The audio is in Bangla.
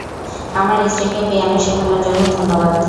আমার স্ত্রীকে পিয়ানো শেখানোর জন্য ধন্যবাদ।